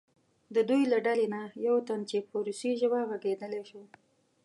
د دوی له ډلې نه یو تن چې په روسي ژبه غږېدلی شو.